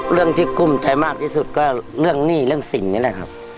เรื่องที่กุ้มใจมากที่สุดก็เรื่องหนี้เรื่องสินนี่แหละครับ